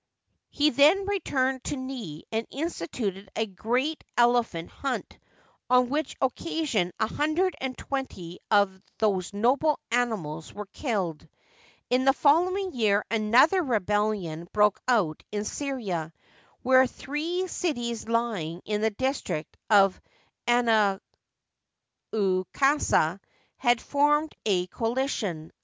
He then returned to NET and instituted a great ele phant hunt, on which occasion a hundred and twenty of these noble animals were killed. In the following year another rebellion broke out in Syria, where three cities lying in the district of Anaukasa had formed a coalition.